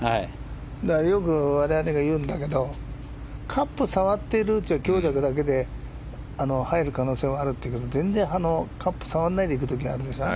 よく我々が言うんだけどカップ触ってるって強弱だけで入る可能性があるけど全然、カップ触らないでいく時あるでしょ。